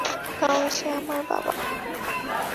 কারণ সে আমার বাবা!